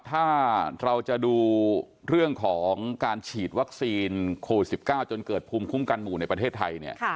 ถ้าเราจะดูเรื่องของการฉีดวัคซีนโควิด๑๙จนเกิดภูมิคุ้มกันหมู่ในประเทศไทยเนี่ย